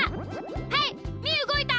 はいみーうごいた！